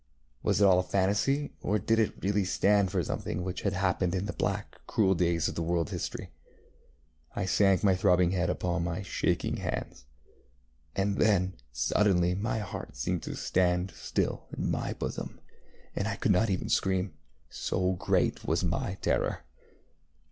Was it all a fantasy, or did it really stand for something which had happened in the black, cruel days of the worldŌĆÖs history? I sank my throbbing head upon my shaking hands. And then, suddenly, my heart seemed to stand still in my bosom, and I could not even scream, so great was my terror.